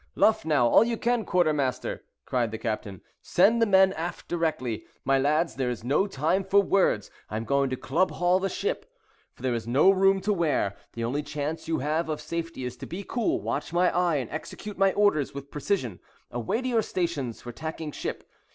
"Luff now, all you can, quartermaster," cried the captain. "Send the men aft directly. My lads, there is no time for words—I am going to club haul the ship, for there is no room to wear. The only chance you have of safety is to be cool, watch my eye, and execute my orders with precision. Away to your stations for tacking ship.